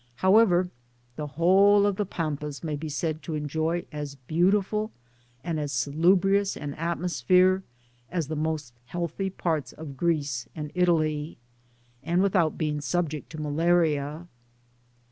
However, the whole of the Pampas may be said to enjoy as beautiful and as salubrious an atmosphere as the most healthy parts of Greece and Italy, and without being subject to malaria.